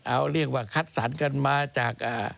เอาเรียกว่าคัดสรรกันมาจาก